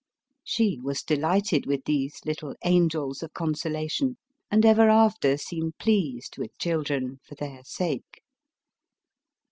She was delighted with these little angels of consolation, and ever after seem pleased with children, for their sake.